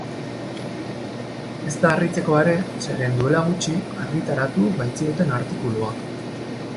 Ez da harritzekoa ere, zeren duela gutxi argitaratu baitzioten artikulua.